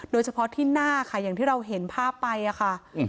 โดยเฉพาะที่หน้าค่ะอย่างที่เราเห็นภาพไปอะค่ะ